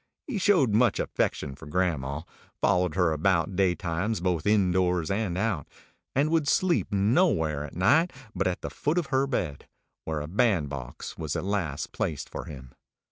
He showed much affection for grandma, followed her about daytimes both in doors and out, and would sleep nowhere at night but at the foot of her bed, where a bandbox was at last placed for him.